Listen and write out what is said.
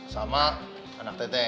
sama anak tete